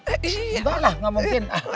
enggak lah gak mungkin